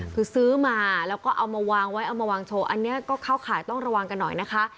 คือซื้อมาแล้วก็เอามาวางไว้เอามาวางโชว์อันนี้ก็เข้าข่ายต้องระวังกันหน่อยนะคะ